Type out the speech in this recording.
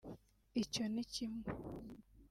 icyo ni kimwe